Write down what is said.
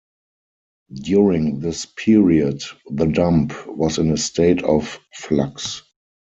During this period, the dump was in a state of flux.